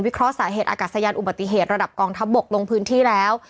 เคราะห์สาเหตุอากาศยานอุบัติเหตุระดับกองทัพบกลงพื้นที่แล้ว